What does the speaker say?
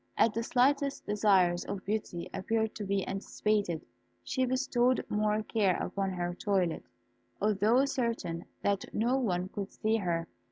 As the slightest desires of Beauty appeared to be anticipated, she bestowed more care upon her toilet, although certain that no one could see her.